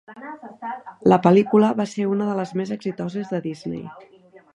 La pel·lícula va ser una de les més exitoses de Disney.